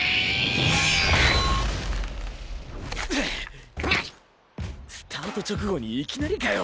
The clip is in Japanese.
ギッ！スタート直後にいきなりかよ。